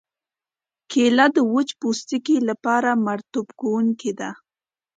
کېله د وچ پوستکي لپاره مرطوبوونکې ده.